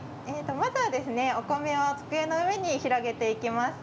まずは、お米を机の上に広げていきます。